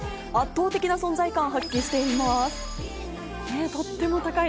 圧倒的な存在感を発揮しています。